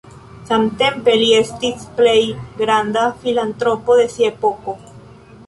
Samtempe, li estis plej granda filantropo de sia epoko.